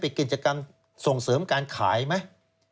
เป็นกิจกรรมส่งเสริมการขายไหม